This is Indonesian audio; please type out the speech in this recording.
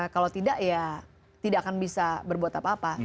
kalau tidak ya tidak akan bisa berbuat apa apa